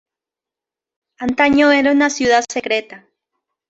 Antaño era una ciudad secreta.